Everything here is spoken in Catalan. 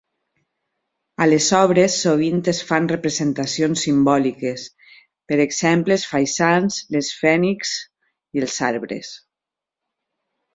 A les obres sovint es fan representacions simbòliques, per exemple, els faisans, les fènixs i els arbres.